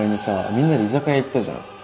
みんなで居酒屋行ったじゃん。